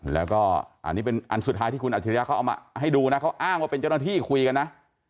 แล้วก็อันนี้เป็นอันสุดท้ายที่คุณอัจฉริยะเขาเอามาให้ดูนะเขาอ้างว่าเป็นเจ้าหน้าที่คุยกันนะ